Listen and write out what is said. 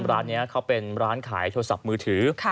ร้านนี้เขาเป็นร้านขายโทรศัพท์มือถือ